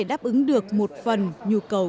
đáp ứng được một phần nhu cầu